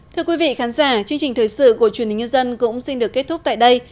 thưa quý vị khán giả chương trình thời sự của truyền hình nhân dân cũng xin được kết thúc tại đây